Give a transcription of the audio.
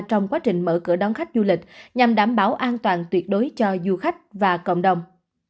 trong quá trình mở cửa đón khách du lịch nhằm đảm bảo an toàn tuyệt đối cho du khách và cộng đồng